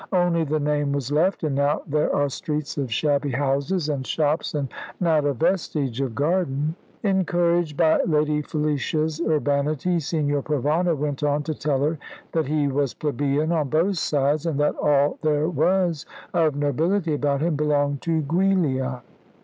Only the name was left; and now there are streets of shabby houses, and shops, and not a vestige of garden." Encouraged by Lady Felicia's urbanity, Signor Provana went on to tell her that he was plebeian on both sides, and that all there was of nobility about him belonged to Giulia.